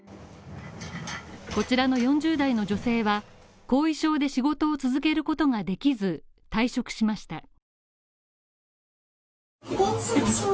こちらの４０代の女性は後遺症で仕事を続けることができず退職しました。